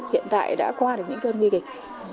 hiện tại đã qua được những cơn nguy kịch